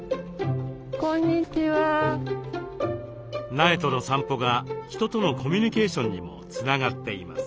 苗との散歩が人とのコミュニケーションにもつながっています。